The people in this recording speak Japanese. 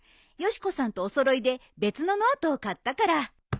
よし子さんとお揃いで別のノートを買ったから。